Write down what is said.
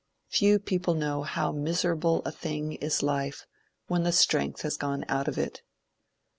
Few people know how miserable a thing is life when the strength has gone out of it.